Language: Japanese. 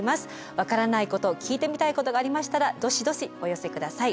分からないこと聞いてみたいことがありましたらどしどしお寄せ下さい。